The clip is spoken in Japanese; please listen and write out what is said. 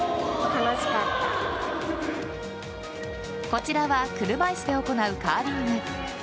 こちらは車いすで行うカーリング。